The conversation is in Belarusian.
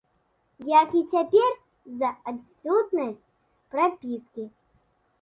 Як і цяпер за адсутнасць прапіскі.